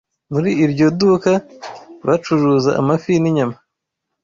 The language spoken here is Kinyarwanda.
Muri iryo duka, bacuruza amafi ninyama.